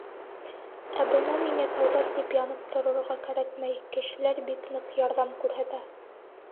Ә бына миңә тауҙар тип янып торорға кәрәкмәй, кешеләр бик ныҡ ярҙам күрһәтә.